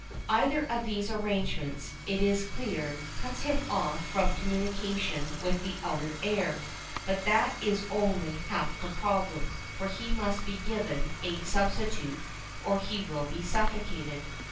Either of these arrangements, it is clear, cuts him off from communication with the outer air, but that is only half the problem, for he must be given a substitute or he will be suffocated.